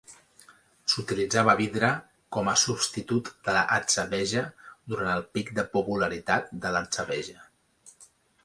S'utilitzava vidre com a substitut de l'atzabeja durant el pic de popularitat de l'atzabeja.